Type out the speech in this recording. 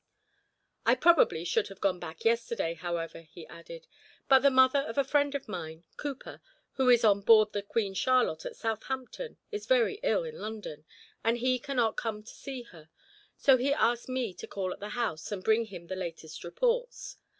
"I probably should have gone back yesterday, however," he added, "but the mother of a friend of mine, Cooper, who is on board the Queen Charlotte at Southampton, is very ill in London, and he cannot come to see her, so he asked me to call at the house and bring him the latest reports.